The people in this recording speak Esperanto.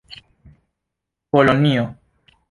kolonio